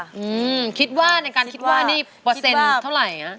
อืมคิดว่าในการคิดว่านี่เปอร์เซ็นต์เท่าไหร่ฮะ